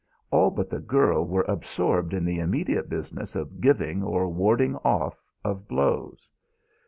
All but the girl were absorbed in the immediate business of giving or warding off of blows.